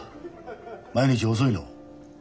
毎日遅いの？